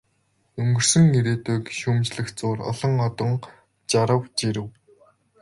Өнгөрсөн ирээдүйг шүүмжлэх зуур олон одон жарав, жирэв.